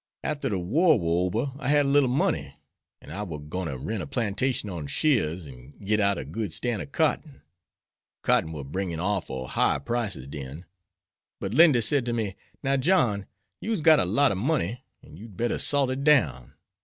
Arter de war war ober I had a little money, an' I war gwine ter rent a plantation on sheers an' git out a good stan' ob cotton. Cotton war bringin' orful high prices den, but Lindy said to me, 'Now, John, you'se got a lot ob money, an' you'd better salt it down.